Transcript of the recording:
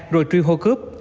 rồi truy hô cướp